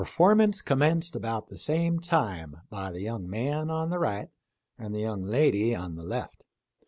15 formance commenced about the same time by the young man on the right and the young lady on the left.